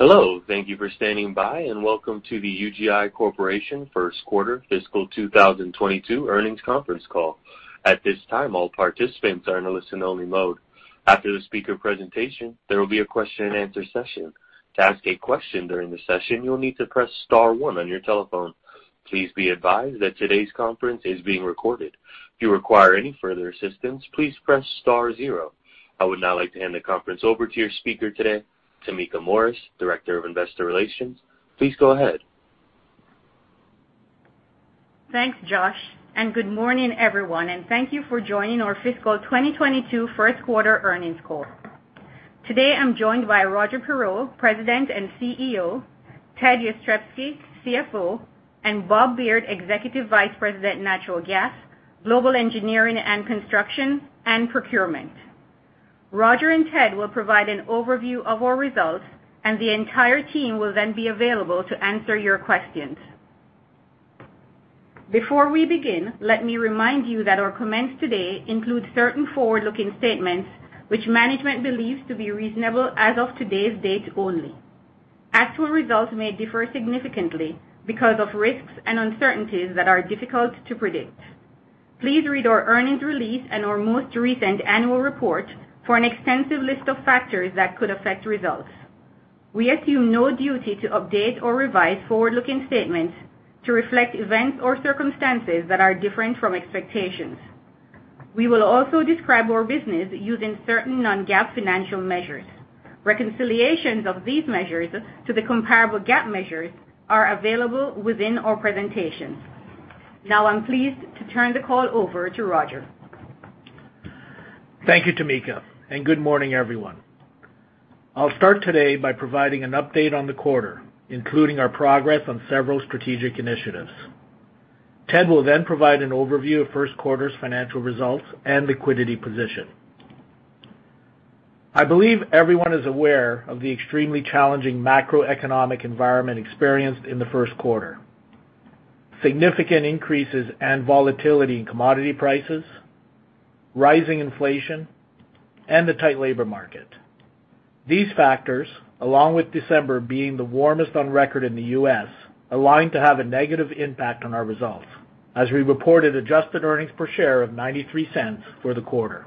Hello, thank you for standing by and welcome to the UGI Corporation first quarter fiscal 2022 earnings conference call. At this time, all participants are in a listen only mode. After the speaker presentation, there will be a question and answer session. To ask a question during the session, you'll need to press star one on your telephone. Please be advised that today's conference is being recorded. If you require any further assistance, please press star zero. I would now like to hand the conference over to your speaker today, Tameka Morris, Director of Investor Relations. Please go ahead. Thanks Josh, and good morning everyone, and thank you for joining our fiscal 2022 first quarter earnings call. Today, I'm joined by Roger Perreault, President and CEO, Ted Jastrzebski, CFO, and Bob Beard, Executive Vice President, Natural Gas, Global Engineering and Construction and Procurement. Roger and Ted will provide an overview of our results and the entire team will then be available to answer your questions. Before we begin, let me remind you that our comments today include certain forward-looking statements which management believes to be reasonable as of today's date only. Actual results may differ significantly because of risks and uncertainties that are difficult to predict. Please read our earnings release and our most recent annual report for an extensive list of factors that could affect results. We assume no duty to update or revise forward-looking statements to reflect events or circumstances that are different from expectations. We will also describe our business using certain non-GAAP financial measures. Reconciliations of these measures to the comparable GAAP measures are available within our presentation. Now I'm pleased to turn the call over to Roger. Thank you Tameka, and good morning, everyone. I'll start today by providing an update on the quarter, including our progress on several strategic initiatives. Ted will then provide an overview of first quarter's financial results and liquidity position. I believe everyone is aware of the extremely challenging macroeconomic environment experienced in the first quarter, significant increases and volatility in commodity prices, rising inflation, and the tight labor market. These factors, along with December being the warmest on record in the U.S., aligned to have a negative impact on our results as we reported adjusted earnings per share of $0.93 for the quarter.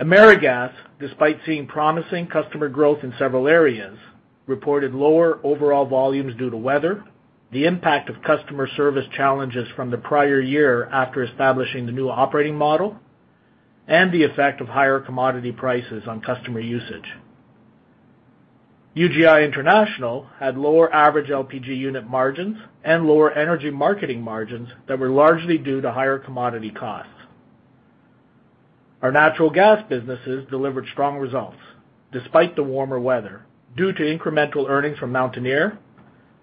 AmeriGas, despite seeing promising customer growth in several areas, reported lower overall volumes due to weather, the impact of customer service challenges from the prior year after establishing the new operating model, and the effect of higher commodity prices on customer usage. UGI International had lower average LPG unit margins and lower energy marketing margins that were largely due to higher commodity costs. Our natural gas businesses delivered strong results despite the warmer weather, due to incremental earnings from Mountaineer,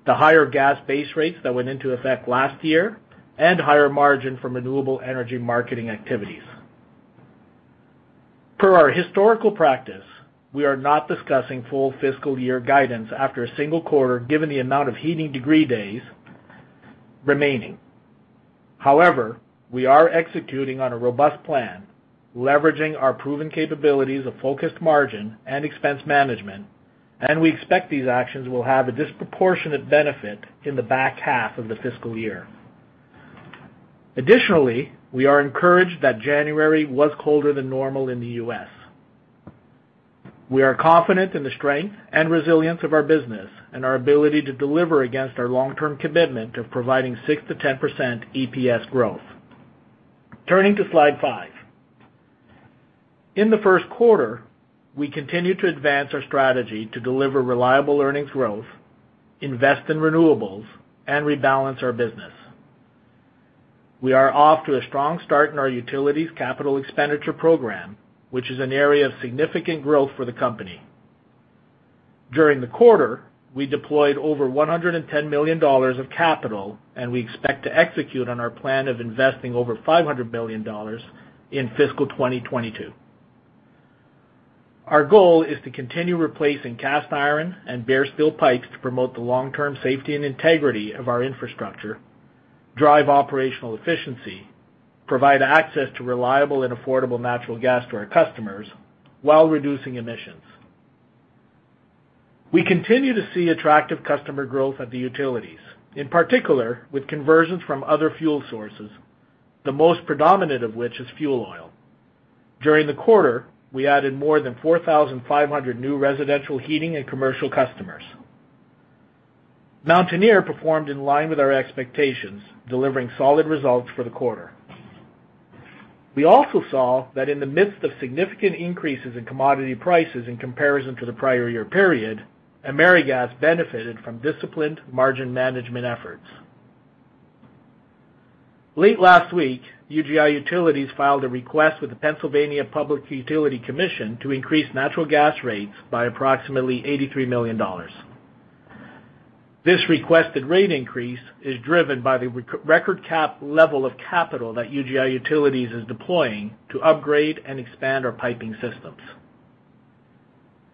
the higher gas base rates that went into effect last year, and higher margin from renewable energy marketing activities. Per our historical practice, we are not discussing full fiscal year guidance after a single quarter, given the amount of heating degree days remaining. However, we are executing on a robust plan, leveraging our proven capabilities of focused margin and expense management, and we expect these actions will have a disproportionate benefit in the back half of the fiscal year. Additionally, we are encouraged that January was colder than normal in the U.S. We are confident in the strength and resilience of our business and our ability to deliver against our long-term commitment of providing 6%-10% EPS growth. Turning to slide five. In the first quarter, we continued to advance our strategy to deliver reliable earnings growth, invest in renewables, and rebalance our business. We are off to a strong start in our utilities capital expenditure program, which is an area of significant growth for the company. During the quarter, we deployed over $110 million of capital, and we expect to execute on our plan of investing over $500 million in fiscal 2022. Our goal is to continue replacing cast iron and bare steel pipes to promote the long-term safety and integrity of our infrastructure, drive operational efficiency, provide access to reliable and affordable natural gas to our customers while reducing emissions. We continue to see attractive customer growth at the utilities, in particular with conversions from other fuel sources, the most predominant of which is fuel oil. During the quarter, we added more than 4,500 new residential heating and commercial customers. Mountaineer performed in line with our expectations, delivering solid results for the quarter. We also saw that in the midst of significant increases in commodity prices in comparison to the prior year period, AmeriGas benefited from disciplined margin management efforts. Late last week, UGI Utilities filed a request with the Pennsylvania Public Utility Commission to increase natural gas rates by approximately $83 million. This requested rate increase is driven by the record capital level that UGI Utilities is deploying to upgrade and expand our piping systems.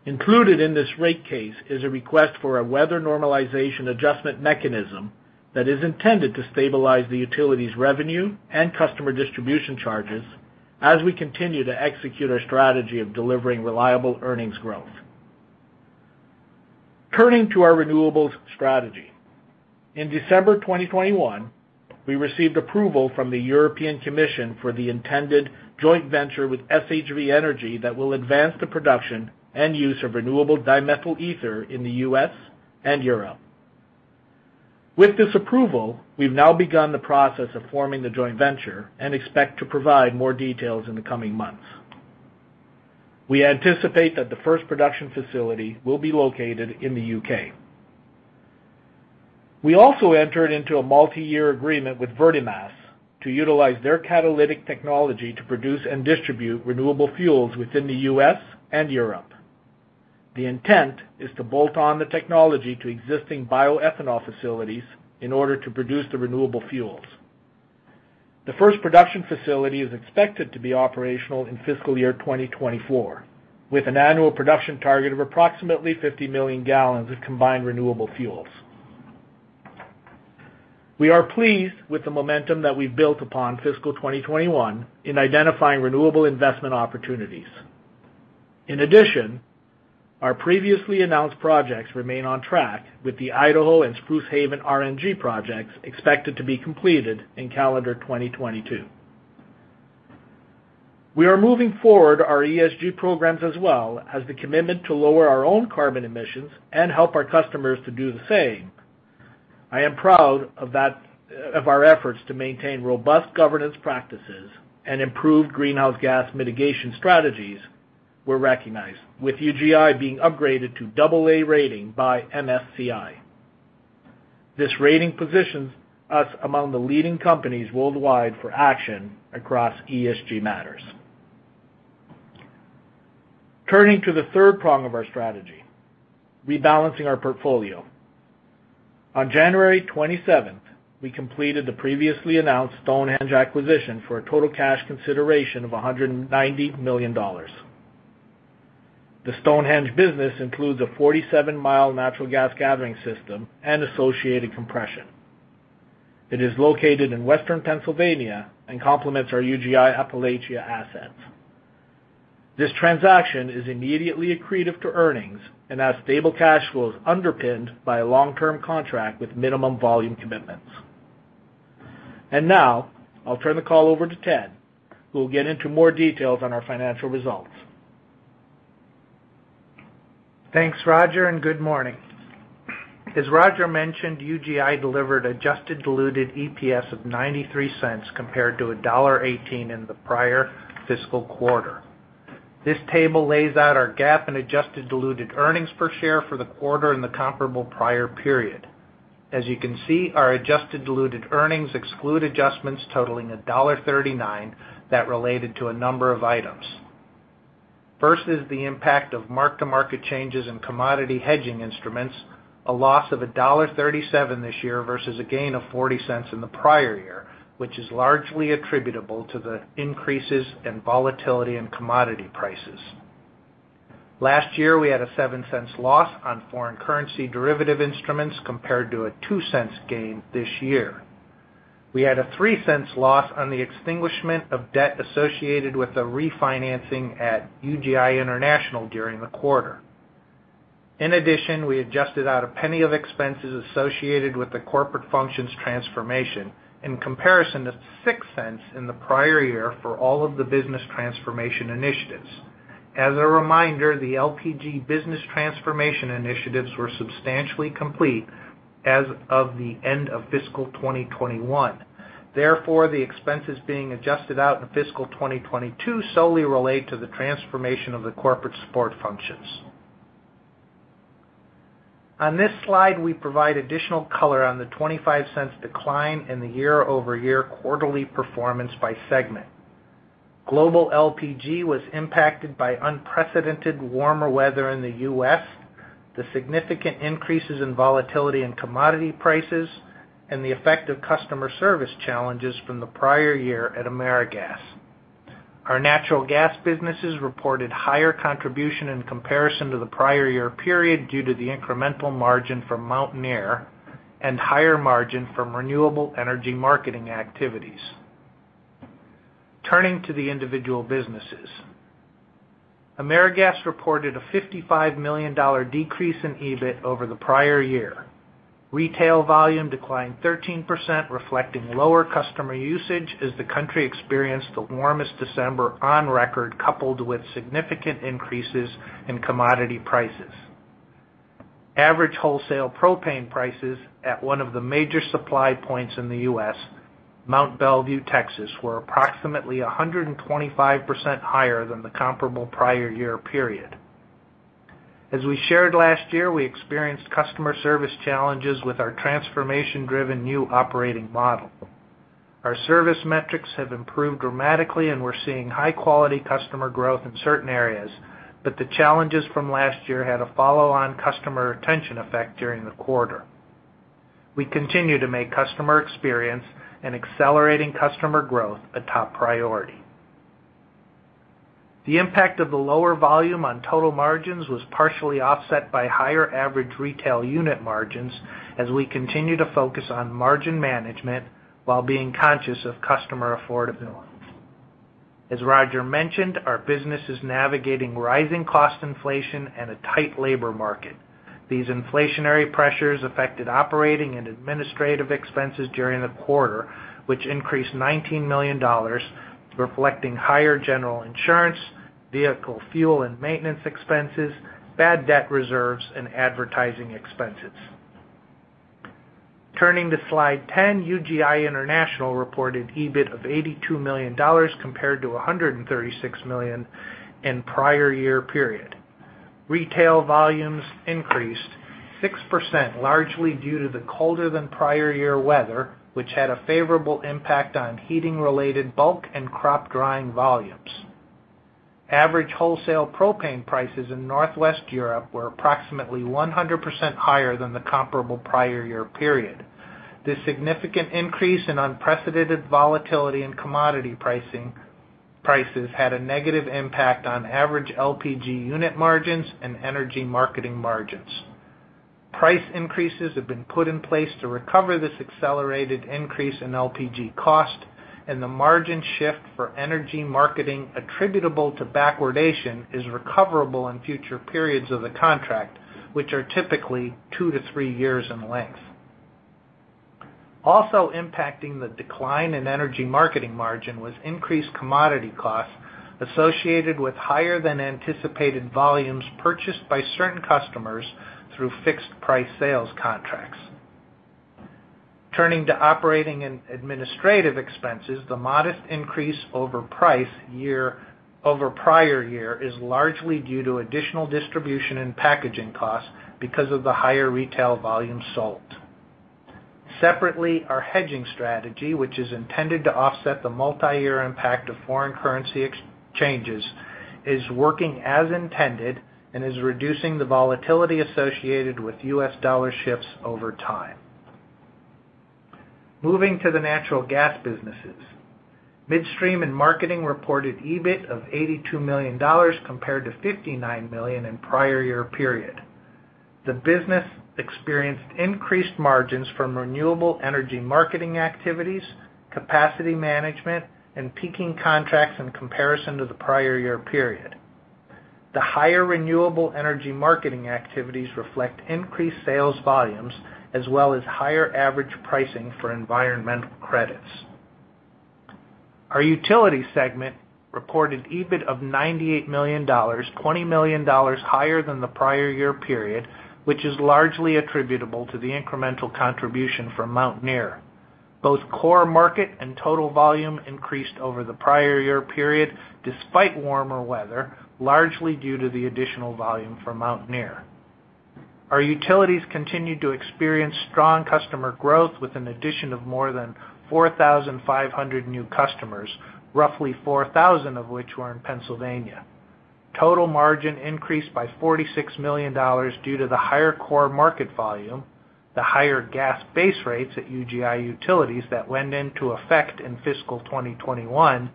Included in this rate case is a request for a weather normalization adjustment mechanism. That is intended to stabilize the utility's revenue and customer distribution charges as we continue to execute our strategy of delivering reliable earnings growth. Turning to our renewables strategy, in December 2021, we received approval from the European Commission for the intended joint venture with SHV Energy that will advance the production and use of renewable dimethyl ether in the U.S. and Europe. With this approval, we've now begun the process of forming the joint venture and expect to provide more details in the coming months. We anticipate that the first production facility will be located in the U.K. We also entered into a multi-year agreement with Vertimass to utilize their catalytic technology to produce and distribute renewable fuels within the U.S. and Europe. The intent is to bolt on the technology to existing bioethanol facilities in order to produce the renewable fuels. The first production facility is expected to be operational in fiscal year 2024, with an annual production target of approximately 50 million gallons of combined renewable fuels. We are pleased with the momentum that we've built upon fiscal 2021 in identifying renewable investment opportunities. In addition, our previously announced projects remain on track, with the Idaho and Spruce Haven RNG projects expected to be completed in calendar 2022. We are moving forward our ESG programs as well as the commitment to lower our own carbon emissions and help our customers to do the same. I am proud of that, of our efforts to maintain robust governance practices and improved greenhouse gas mitigation strategies were recognized, with UGI being upgraded to AA rating by MSCI. This rating positions us among the leading companies worldwide for action across ESG matters. Turning to the third prong of our strategy, rebalancing our portfolio. On January 27, we completed the previously announced Stonehenge acquisition for a total cash consideration of $190 million. The Stonehenge business includes a 47-mile natural gas gathering system and associated compression. It is located in Western Pennsylvania and complements our UGI Appalachia assets. This transaction is immediately accretive to earnings and has stable cash flows underpinned by a long-term contract with minimum volume commitments. Now I'll turn the call over to Ted, who will get into more details on our financial results. Thanks Roger, and good morning. As Roger mentioned, UGI delivered adjusted diluted EPS of $0.93 compared to $1.18 in the prior fiscal quarter. This table lays out our GAAP and adjusted diluted earnings per share for the quarter and the comparable prior period. As you can see, our adjusted diluted earnings exclude adjustments totaling $1.39 that related to a number of items. First is the impact of mark-to-market changes in commodity hedging instruments, a loss of $1.37 this year versus a gain of $0.40 in the prior year, which is largely attributable to the increases in volatility in commodity prices. Last year, we had a $0.07 loss on foreign currency derivative instruments compared to a $0.02 gain this year. We had a $0.03 loss on the extinguishment of debt associated with the refinancing at UGI International during the quarter. In addition, we adjusted out $0.01 of expenses associated with the corporate functions transformation in comparison to $0.06 in the prior year for all of the business transformation initiatives. As a reminder, the LPG business transformation initiatives were substantially complete as of the end of fiscal 2021. Therefore, the expenses being adjusted out in fiscal 2022 solely relate to the transformation of the corporate support functions. On this slide, we provide additional color on the $0.25 decline in the year-over-year quarterly performance by segment. Global LPG was impacted by unprecedented warmer weather in the U.S., the significant increases in volatility in commodity prices, and the effect of customer service challenges from the prior year at AmeriGas. Our natural gas businesses reported higher contribution in comparison to the prior year period due to the incremental margin from Mountaineer and higher margin from renewable energy marketing activities. Turning to the individual businesses. AmeriGas reported a $55 million decrease in EBIT over the prior year. Retail volume declined 13%, reflecting lower customer usage as the country experienced the warmest December on record, coupled with significant increases in commodity prices. Average wholesale propane prices at one of the major supply points in the U.S., Mont Belvieu, Texas, were approximately 125% higher than the comparable prior year period. As we shared last year, we experienced customer service challenges with our transformation-driven new operating model. Our service metrics have improved dramatically, and we're seeing high-quality customer growth in certain areas, but the challenges from last year had a follow-on customer retention effect during the quarter. We continue to make customer experience and accelerating customer growth a top priority. The impact of the lower volume on total margins was partially offset by higher average retail unit margins as we continue to focus on margin management while being conscious of customer affordability. As Roger mentioned, our business is navigating rising cost inflation and a tight labor market. These inflationary pressures affected operating and administrative expenses during the quarter, which increased $19 million, reflecting higher general insurance, vehicle fuel and maintenance expenses, bad debt reserves and advertising expenses. Turning to slide 10, UGI International reported EBIT of $82 million compared to $136 million in prior year period. Retail volumes increased 6% largely due to the colder than prior year weather, which had a favorable impact on heating-related bulk and crop drying volumes. Average wholesale propane prices in Northwest Europe were approximately 100% higher than the comparable prior year period. This significant increase and unprecedented volatility in commodity pricing - prices had a negative impact on average LPG unit margins and energy marketing margins. Price increases have been put in place to recover this accelerated increase in LPG cost, and the margin shift for energy marketing attributable to backwardation is recoverable in future periods of the contract, which are typically two to three years in length. Also impacting the decline in energy marketing margin was increased commodity costs associated with higher than anticipated volumes purchased by certain customers through fixed price sales contracts. Turning to operating and administrative expenses, the modest increase over prior year is largely due to additional distribution and packaging costs because of the higher retail volumes sold. Separately, our hedging strategy which is intended to offset the multi-year impact of foreign currency exchanges, is working as intended and is reducing the volatility associated with U.S. dollar shifts over time. Moving to the natural gas businesses. Midstream & Marketing reported EBIT of $82 million compared to $59 million in prior year period. The business experienced increased margins from renewable energy marketing activities, capacity management, and peaking contracts in comparison to the prior year period. The higher renewable energy marketing activities reflect increased sales volumes as well as higher average pricing for environmental credits. Our utility segment reported EBIT of $98 million, $20 million higher than the prior year period, which is largely attributable to the incremental contribution from Mountaineer. Both core market and total volume increased over the prior year period despite warmer weather, largely due to the additional volume from Mountaineer. Our utilities continued to experience strong customer growth with an addition of more than 4,500 new customers, roughly 4,000 of which were in Pennsylvania. Total margin increased by $46 million due to the higher core market volume, the higher gas base rates at UGI Utilities that went into effect in fiscal 2021,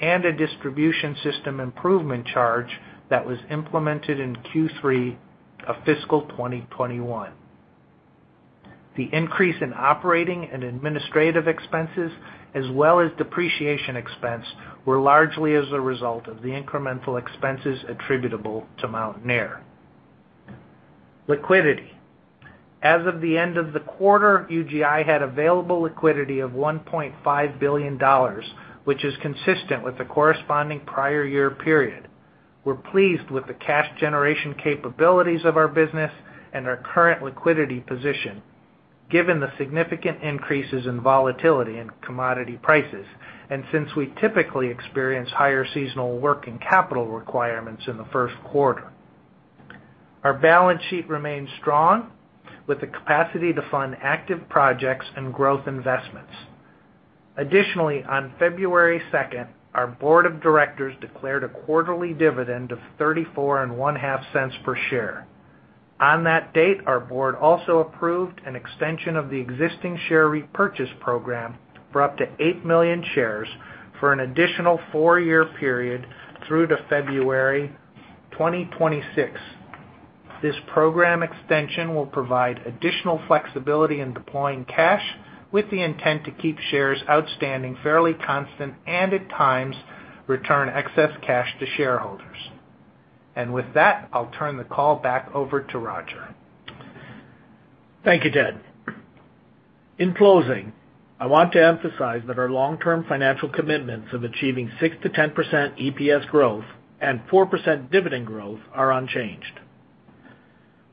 and a distribution system improvement charge that was implemented in Q3 of fiscal 2021. The increase in operating and administrative expenses, as well as depreciation expense, were largely as a result of the incremental expenses attributable to Mountaineer. Liquidity, as of the end of the quarter, UGI had available liquidity of $1.5 billion, which is consistent with the corresponding prior year period. We're pleased with the cash generation capabilities of our business and our current liquidity position, given the significant increases in volatility in commodity prices, and since we typically experience higher seasonal working capital requirements in the first quarter. Our balance sheet remains strong with the capacity to fund active projects and growth investments. Additionally, on February 2, our board of directors declared a quarterly dividend of $0.345 per share. On that date, our board also approved an extension of the existing share repurchase program for up to 8 million shares for an additional four-year period through February 2026. This program extension will provide additional flexibility in deploying cash with the intent to keep shares outstanding fairly constant and at times return excess cash to shareholders. With that, I'll turn the call back over to Roger. Thank you, Ted. In closing, I want to emphasize that our long-term financial commitments of achieving 6%-10% EPS growth and 4% dividend growth are unchanged.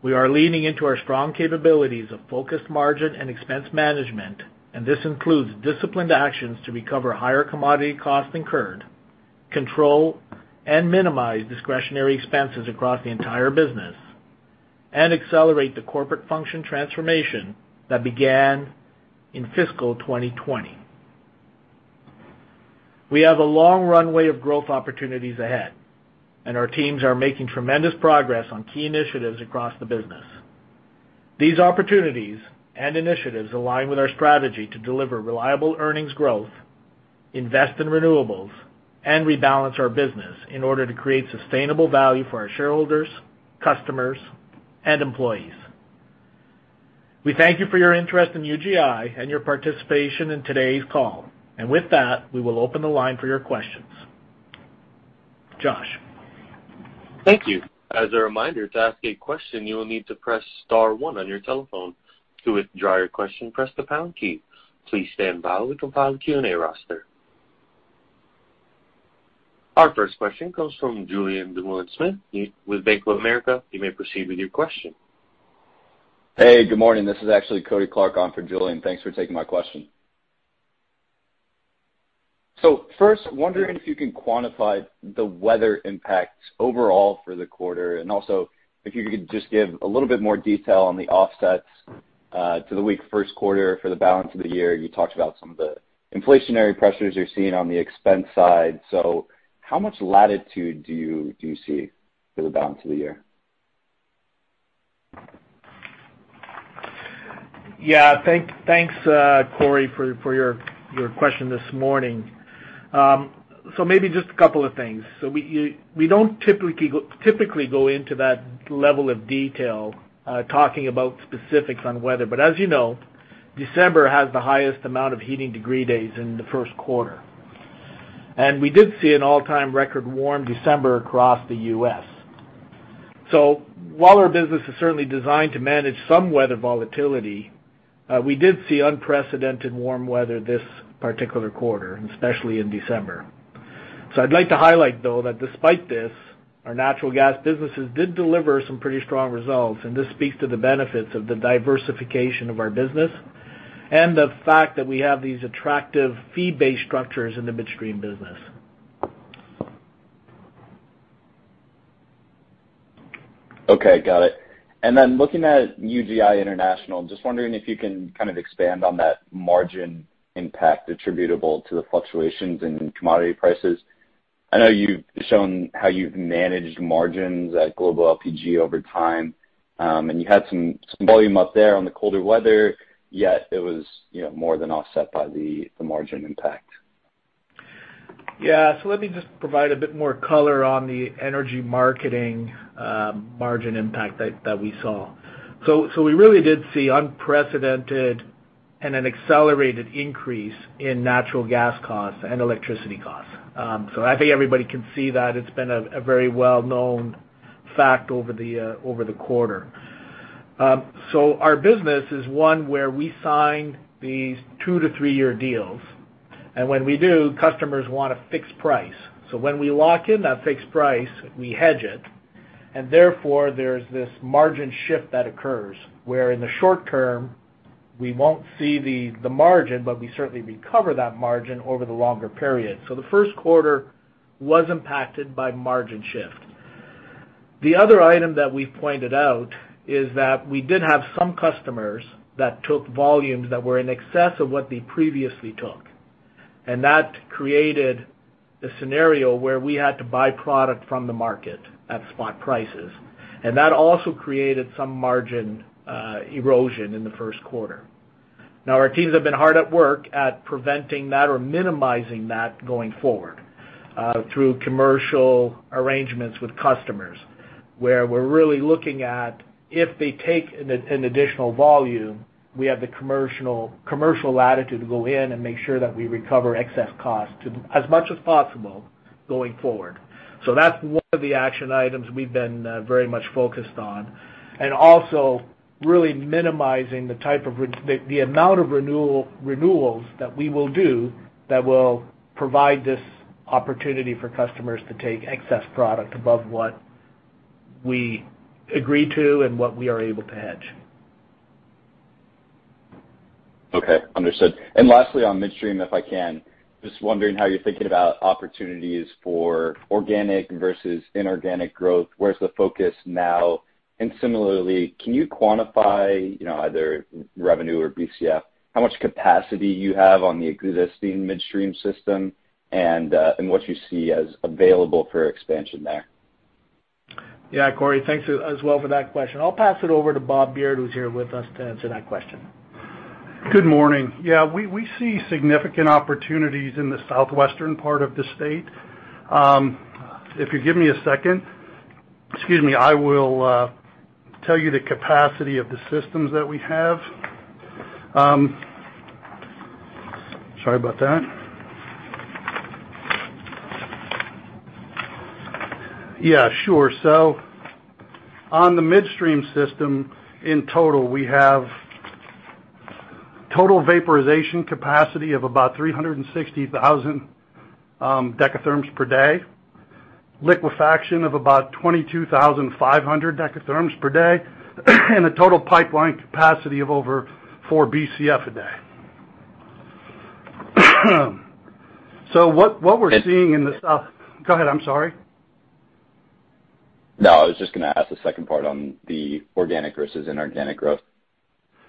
We are leaning into our strong capabilities of focused margin and expense management, and this includes disciplined actions to recover higher commodity costs incurred, control and minimize discretionary expenses across the entire business, and accelerate the corporate function transformation that began in fiscal 2020. We have a long runway of growth opportunities ahead, and our teams are making tremendous progress on key initiatives across the business. These opportunities and initiatives align with our strategy to deliver reliable earnings growth, invest in renewables, and rebalance our business in order to create sustainable value for our shareholders, customers, and employees. We thank you for your interest in UGI and your participation in today's call. With that, we will open the line for your questions. Josh? Thank you. As a reminder, to ask a question, you will need to press star one on your telephone. To withdraw your question, press the pound key. Please stand by, we'll compile the Q&A roster. Our first question comes from Julien Dumoulin-Smith with Bank of America. You may proceed with your question. Hey, good morning. This is actually Kody Clark on for Julien, thanks for taking my question. First, wondering if you can quantify the weather impact overall for the quarter, and also if you could just give a little bit more detail on the offsets to the weak first quarter for the balance of the year. You talked about some of the inflationary pressures you're seeing on the expense side. How much latitude do you see for the balance of the year? Yeah. Thanks Kody, for your question this morning. Maybe just a couple of things. We don't typically go into that level of detail talking about specifics on weather. As you know, December has the highest amount of heating degree days in the first quarter. We did see an all-time record warm December across the U.S. While our business is certainly designed to manage some weather volatility, we did see unprecedented warm weather this particular quarter, and especially in December. I'd like to highlight though that despite this, our natural gas businesses did deliver some pretty strong results, and this speaks to the benefits of the diversification of our business and the fact that we have these attractive fee-based structures in the midstream business. Okay. Got it. Looking at UGI International, just wondering if you can kind of expand on that margin impact attributable to the fluctuations in commodity prices. I know you've shown how you've managed margins at global LPG over time, and you had some volume up there on the colder weather, yet it was, you know, more than offset by the margin impact. Yeah. Let me just provide a bit more color on the energy marketing margin impact that we saw. We really did see unprecedented and an accelerated increase in natural gas costs and electricity costs. I think everybody can see that it's been a very well-known fact over the quarter. Our business is one where we sign these two to three year deals. When we do, customers want a fixed price. When we lock in that fixed price, we hedge it, and therefore there's this margin shift that occurs, where in the short term we won't see the margin, but we certainly recover that margin over the longer period. The first quarter was impacted by margin shift. The other item that we pointed out is that we did have some customers that took volumes that were in excess of what they previously took, and that created a scenario where we had to buy product from the market at spot prices. That also created some margin erosion in the first quarter. Our teams have been hard at work at preventing that or minimizing that going forward through commercial arrangements with customers, where we're really looking at if they take an additional volume, we have the commercial latitude to go in and make sure that we recover excess cost as much as possible going forward. That's one of the action items we've been very much focused on, and also really minimizing the amount of renewals that we will do that will provide this opportunity for customers to take excess product above what we agree to and what we are able to hedge. Okay. Understood. Lastly, on Midstream, if I can, just wondering how you're thinking about opportunities for organic versus inorganic growth. Where's the focus now? Similarly, can you quantify, you know, either revenue or BCF, how much capacity you have on the existing Midstream system and what you see as available for expansion there? Yeah. Kody, thanks as well for that question. I'll pass it over to Bob Beard, who's here with us to answer that question. Good morning. We see significant opportunities in the southwestern part of the state. If you give me a second, excuse me, I will tell you the capacity of the systems that we have. Sorry about that. Yeah, sure. On the Midstream system, in total we have total vaporization capacity of about 360,000 dekatherms per day, liquefaction of about 22,500 dekatherms per day, and a total pipeline capacity of over 4 BCF a day. What we're seeing in the south. Go ahead, I'm sorry. No, I was just gonna ask the second part on the organic versus inorganic growth.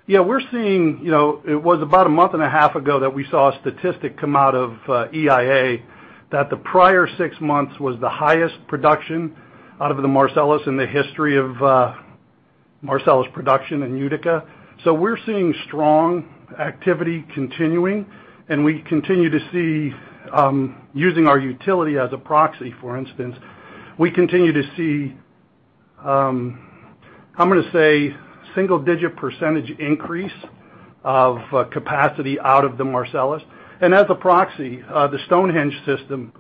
Yeah, we're seeing - you know, it was about a month and a half ago that we saw a statistic come out of EIA that the prior six months was the highest production out of the Marcellus in the history of Marcellus production in Utica. We're seeing strong activity continuing, and we continue to see, using our utility as a proxy, for instance, a single-digit percentage increase of capacity out of the Marcellus. And as a proxy, the Stonehenge system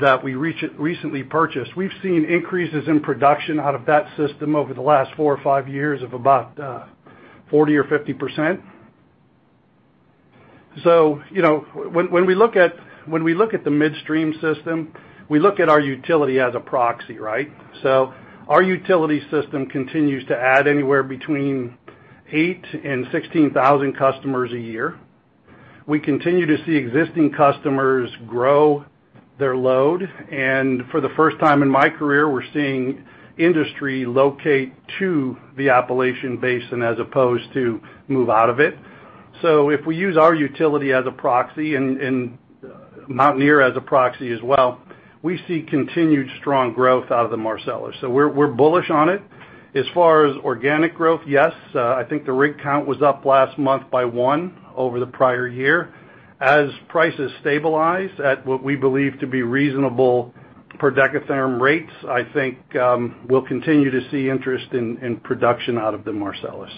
that we recently purchased, we've seen increases in production out of that system over the last four or five years of about 40% or 50%. You know, when we look at the Midstream system, we look at our utility as a proxy, right? Our utility system continues to add anywhere between 8,000 and 16,000 customers a year. We continue to see existing customers grow their load. For the first time in my career, we're seeing industry locate to the Appalachian Basin as opposed to move out of it. If we use our utility as a proxy and Mountaineer as a proxy as well, we see continued strong growth out of the Marcellus, so we're bullish on it. As far as organic growth, yes, I think the rig count was up last month by 1 over the prior year. As prices stabilize at what we believe to be reasonable per decatherm rates, I think we'll continue to see interest in production out of the Marcellus.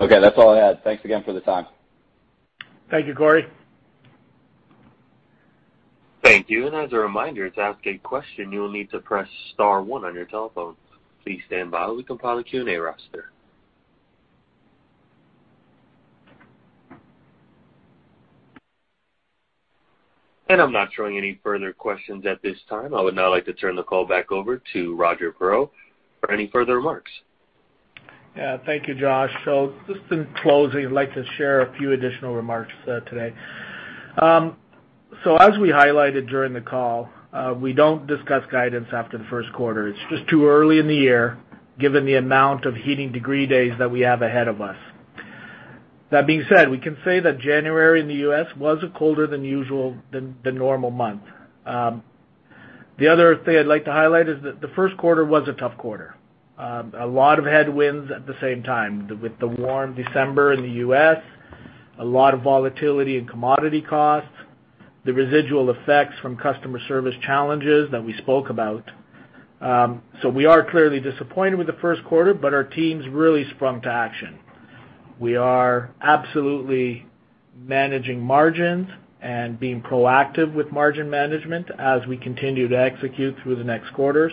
Okay. That's all I had. Thanks again for the time. Thank you, Kody. Thank you. As a reminder, to ask a question, you will need to press star one on your telephone. Please stand by while we compile a Q&A roster. I'm not showing any further questions at this time. I would now like to turn the call back over to Roger Perreault for any further remarks. Yeah. Thank you, Josh. Just in closing, I'd like to share a few additional remarks today. As we highlighted during the call, we don't discuss guidance after the first quarter. It's just too early in the year given the amount of heating degree days that we have ahead of us. That being said, we can say that January in the U.S. was a colder than usual than normal month. The other thing I'd like to highlight is that the first quarter was a tough quarter. A lot of headwinds at the same time with the warm December in the U.S., a lot of volatility in commodity costs, the residual effects from customer service challenges that we spoke about. We are clearly disappointed with the first quarter, but our teams really sprung to action. We are absolutely managing margins and being proactive with margin management as we continue to execute through the next quarters.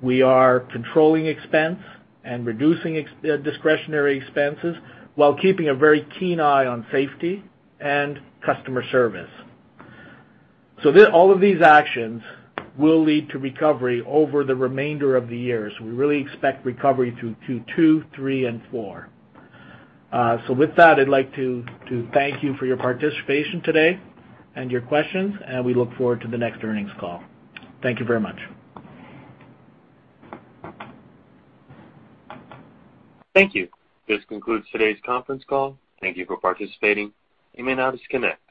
We are controlling expense and reducing discretionary expenses while keeping a very keen eye on safety and customer service. All of these actions will lead to recovery over the remainder of the year. We really expect recovery through Q2, three and four. With that, I'd like to thank you for your participation today and your questions, and we look forward to the next earnings call. Thank you very much. Thank you. This concludes today's conference call. Thank you for participating. You may now disconnect.